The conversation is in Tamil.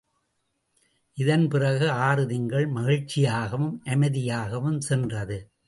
இதன் பிறகு ஆறு திங்கள் மகிழ்ச்சியாகவும் அமைதியாகவும் சென்றது.